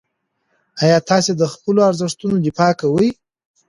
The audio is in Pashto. آیا تاسې د خپلو ارزښتونو دفاع کوئ؟